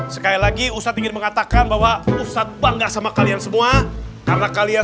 sekali lagi ustadz ingin mengatakan bahwa ustadz bangga sama kalian semua karena kalian